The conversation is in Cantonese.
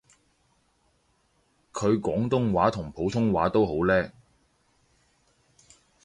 佢廣東話同普通話都好叻